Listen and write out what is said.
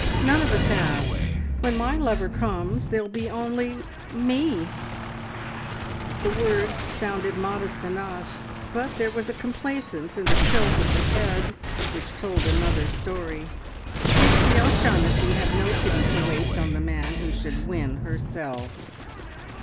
None of us have. When My lover comes, there'll be only Me!" The words sounded modest enough, but there was a complacence in the tilt of the head which told another story. Pixie O'Shaughnessy had no pity to waste on the man who should win herself.